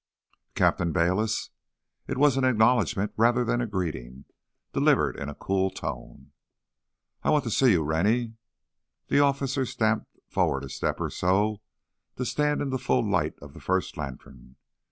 "Captain Bayliss." It was acknowledgment rather than a greeting, delivered in a cool tone. "I want to see you, Rennie!" The officer stamped forward a step or so, to stand in the full light of the first lantern.